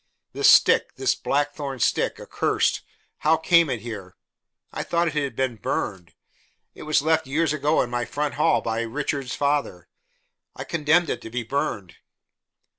"This stick this blackthorn stick accursed! How came it here? I thought it had been burned. It was left years ago in my front hall by Richard's father. I condemned it to be burned."